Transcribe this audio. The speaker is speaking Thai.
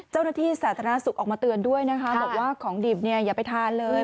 เจ้าหน้าที่สาธารณสุขออกมาเตือนด้วยนะคะบอกว่าของดิบอย่าไปทานเลย